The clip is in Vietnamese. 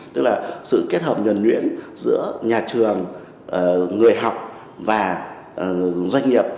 tức là sự kết hợp nhuẩn nhuyễn giữa nhà trường người học và doanh nghiệp